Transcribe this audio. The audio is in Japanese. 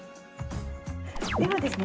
ではですね